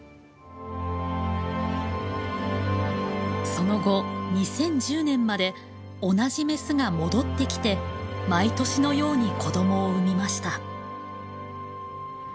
その後２０１０年まで同じメスが戻ってきて毎年のように子どもを産みました。